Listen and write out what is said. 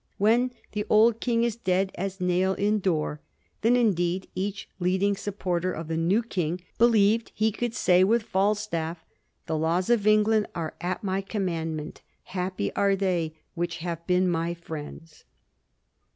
When 'the old King is dead as nail in door,' then indeed each leading supporter of the new king believed he could say with Falstaff, ' The laws of England are at my commandment ; happy are they which have been my friends.'